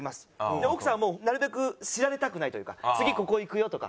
で奥さんはもうなるべく知られたくないというか次ここ行くよとか。